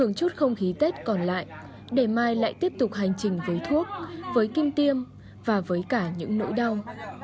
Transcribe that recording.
chút không khí tết còn lại để mai lại tiếp tục hành trình với thuốc với kim tiêm và với cả những nỗi đau